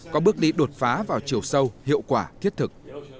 có bước đi đột phá vào chiều sâu hiệu quả thiết thực